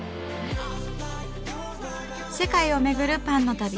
世界をめぐるパンの旅。